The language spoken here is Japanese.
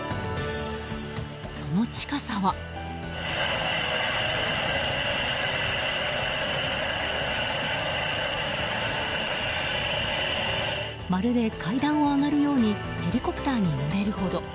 その近さは。まるで階段を上がるようにヘリコプターに乗れるほど。